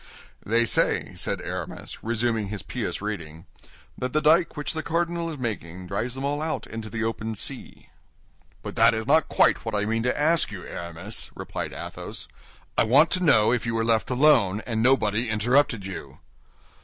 "They say," said Aramis, resuming his pious reading, "that the dyke which the cardinal is making drives them all out into the open sea." "But that is not quite what I mean to ask you, Aramis," replied Athos. "I want to know if you were left alone, and nobody interrupted you."